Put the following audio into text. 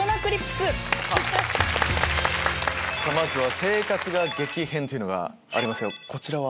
まずは「生活が激変」とありますがこちらは？